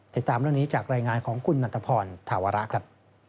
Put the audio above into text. ติดตามเรื่องนี้จากรายงานของคุณนันทพรธาวระครับ